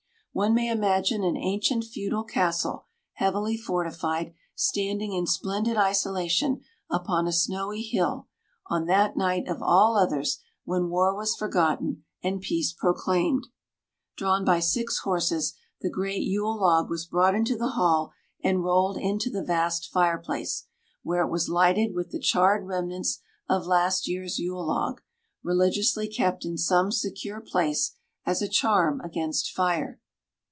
One may imagine an ancient feudal castle, heavily fortified, standing in splendid isolation upon a snowy hill, on that night of all others when war was forgotten and peace proclaimed. Drawn by six horses, the great Yule log was brought into the hall and rolled into the vast fireplace, where it was lighted with the charred remnants of last year's Yule log, religiously kept in some secure place as a charm against fire.